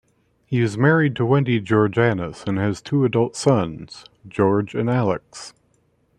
He is married to Wendy Georganas, and has two adult sons; George and Alex.